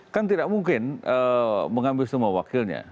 kan tidak mungkin mengambil semua wakilnya